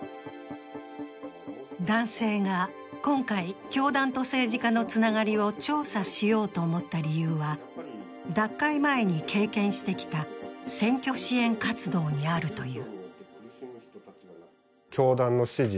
男性が今回、教団と政治家のつながりを調査しようと思った理由は、脱会前に経験してきた選挙支援活動にあるという。